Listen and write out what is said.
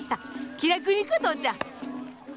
気楽にいこう父ちゃん。